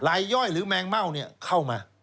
ย่อยหรือแมงเม่าเข้ามา